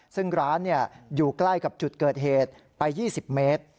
ซึ่งร้านอยู่ใกล้กับจุดเกิดเหตุไป๒๐เมตร